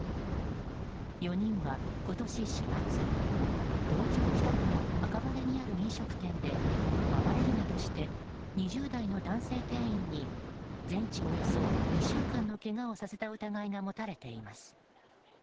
４人は今年４月東京・北区の赤羽にある飲食店で暴れるなどして２０代の男性店員に全治およそ２週間のけがをさせた疑いが持たれています。